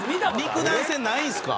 肉弾戦ないんすか？